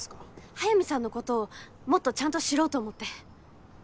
速水さんの事をもっとちゃんと知ろうと思って。